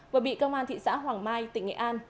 vừa bị công an thị xã hoàng mai tỉnh nghệ an